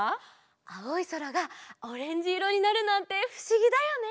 あおいそらがオレンジいろになるなんてふしぎだよね！